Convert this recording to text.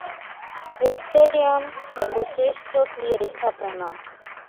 এ stadium সর্বশ্রেষ্ঠ ক্রীড়া স্থাপনা।